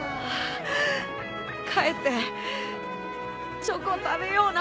帰ってチョコ食べような。